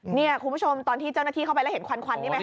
นี่คุณผู้ชมตอนที่เจ้าหน้าที่เข้าไปแล้วเห็นควันนี่ไหมค